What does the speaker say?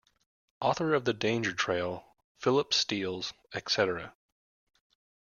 Author of the danger trail, Philip Steels, etc.